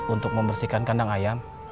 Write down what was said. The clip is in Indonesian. untuk membersihkan kandang ayam